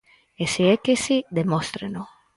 E se é que si, demóstreno.